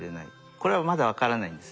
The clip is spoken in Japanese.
これはまだ分からないんです。